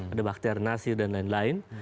ada baktiar nasir dan lain lain